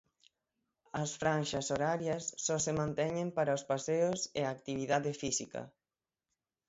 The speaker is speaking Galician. As franxas horarias só se manteñen para os paseos e a actividade física.